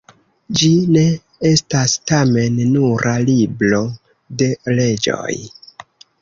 Ĝi ne estas, tamen, nura libro de leĝoj.